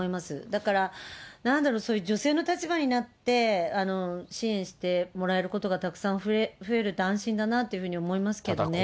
だから、なんだろう、そういう女性の立場になって支援してもらえることがたくさん増えると安心だなと思いますけどね。